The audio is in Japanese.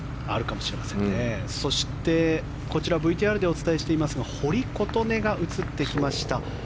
そしてＶＴＲでお伝えしていますが堀琴音が映ってきました。